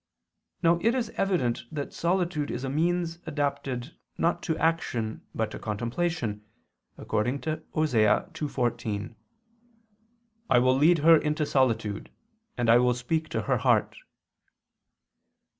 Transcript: Now it is evident that solitude is a means adapted not to action but to contemplation, according to Osee 2:14, "I ... will lead her into solitude [Douay: 'the wilderness']; and I will speak to her heart."